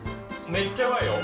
めっちゃうまいよ。